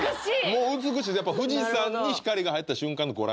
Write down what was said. もう美しいやっぱ富士山に光が入った瞬間の御来光